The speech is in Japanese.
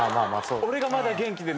俺がまだ元気でね